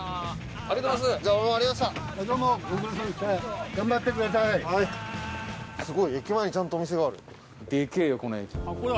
ありがとうございます。